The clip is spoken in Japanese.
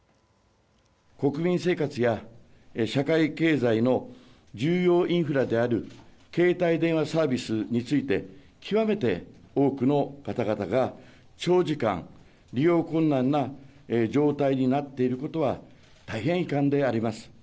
国民生活や社会経済の重要インフラである携帯電話サービスについて極めて多くの方々が長時間、利用困難な状態になっていることは大変遺憾であります。